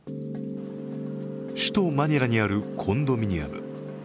首都マニラにあるコンドミニアム。